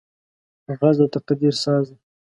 غږ د تقدیر ساز دی